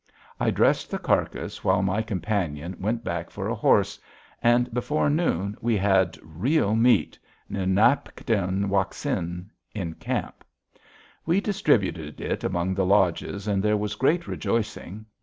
I dressed the carcass while my companion went back for a horse, and before noon we had real meat ni tap´ i wak sin in camp. We distributed it among the lodges, and there was great rejoicing.